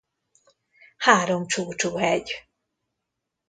Három csúcsú hegy.